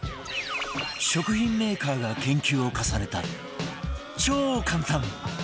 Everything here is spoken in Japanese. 食品メーカーが研究を重ねた超簡単！